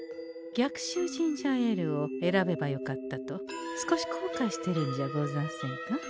「逆襲ジンジャーエール」を選べばよかったと少し後かいしてるんじゃござんせんか？